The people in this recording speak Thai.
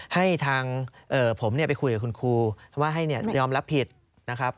ให้ทางผมไปคุยกับคุณครูเพราะว่าให้ยอมรับผิดนะครับ